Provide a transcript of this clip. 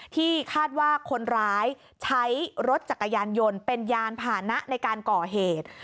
ที่คาดว่าคนร้ายใช้รถจักรยานยนต์เป็นยานผ่านะในการก่อเหตุ